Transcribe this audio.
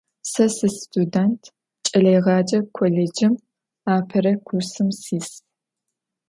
Se sıstudênt, ç'eleêğece kollêcım apere kursım sis.